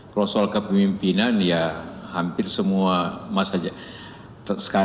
kalau soal kepemimpinan ya hampir semua